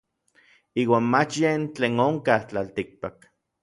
Iuan mach yen tlen onkaj tlaltikpak.